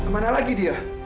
mana lagi dia